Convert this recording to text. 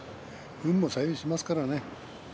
運も左右しますからね。